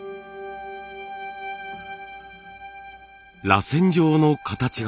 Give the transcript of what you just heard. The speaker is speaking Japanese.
らせん状の形が。